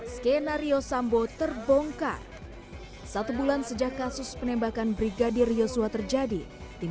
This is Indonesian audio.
skenario sambo terbongkar satu bulan sejak kasus penembakan brigadir yosua terjadi tim